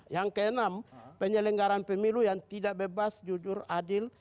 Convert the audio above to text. yang keenam penyelenggaran pemilu yang tidak bebas jujur adil